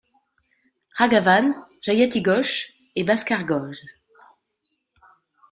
Raghavan, Jayati Ghosh et Bhaskar Ghose.